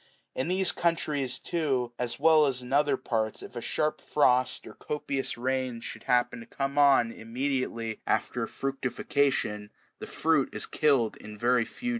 In these countries, too, as well as in other parts, if a sharp frost or co pious rains should happen to come on immediately after fruc tification, the fruit is killed in a very few days even.